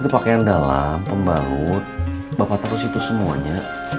itu pakaian dalam pembalut bapak taruh situ semuanya